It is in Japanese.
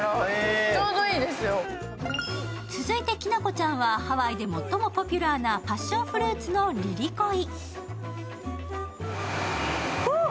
続いてきなこちれゃんはハワイで最もポピュラーなパッションフルーツのリリコイ。